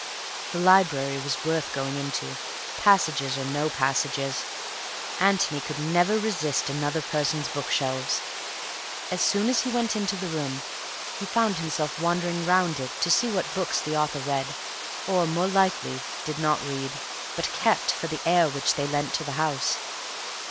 The library was worth going into, passages or no passages. Antony could never resist another person's bookshelves. As soon as he went into the room, he found himself wandering round it to see what books the owner read, or (more likely) did not read, but kept for the air which they lent to the house.